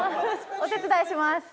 お手伝いします。